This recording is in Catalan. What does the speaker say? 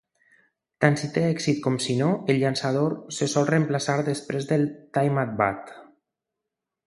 Tant si té èxit com si no, el llançador se sol reemplaçar després del "time at bat".